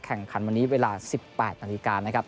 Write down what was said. แข่งขันวันนี้เวลา๑๘นาฬิกานะครับ